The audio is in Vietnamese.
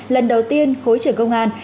lần đầu tiên hội trưởng công an